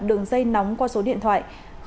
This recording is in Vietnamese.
đường dây nóng qua số điện thoại